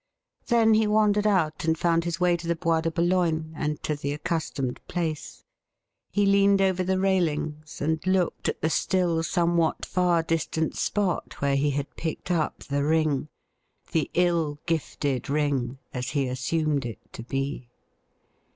Then he wandered out and found his way to the Bois de Boulogne, and to the accustomed place. He leaned over the railings and looked at the still somewhat far 120 THE RIDDLE RING distant spot where he had picked up the ring — ^the ill gifted ring, as he assumed it to be.